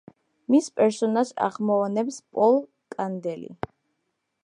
მის პერსონაჟს ახმოვანებს პოლ კანდელი.